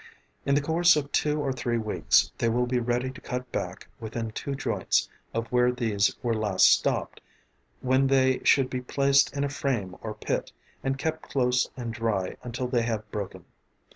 In the course of two or three weeks they will be ready to cut back within two joints of where these were last stopped, when they should be placed in a frame or pit, and kept close and dry until they have broken.